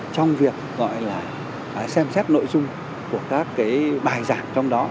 trong việc gọi là xem xét nội dung của các cái bài giảng trong đó